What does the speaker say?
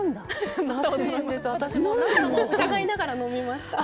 私も疑いながら飲みました。